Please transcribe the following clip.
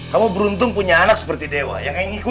kamu beruntung punya anak seperti dewa yang ikut